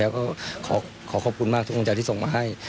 แล้วก็ขอขอบคุณมากทุกคนที่ส่งมาให้